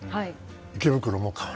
池袋も変わる。